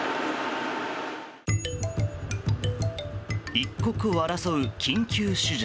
一刻を争う緊急手術。